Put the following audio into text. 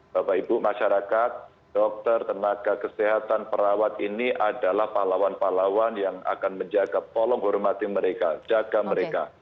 bapak ibu masyarakat dokter tenaga kesehatan perawat ini adalah pahlawan pahlawan yang akan menjaga tolong hormati mereka jaga mereka